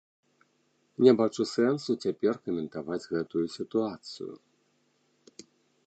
Не бачу сэнсу цяпер каментаваць гэтую сітуацыю.